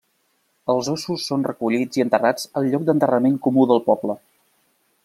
Els ossos són recollits i enterrats al lloc d'enterrament comú del poble.